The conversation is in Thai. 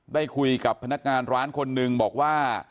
ได้คุยกับพนักงานร้านคนหนึ่งบอกว่า